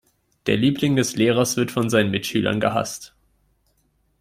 Der Liebling des Lehrers wird von seinen Mitschülern gehasst.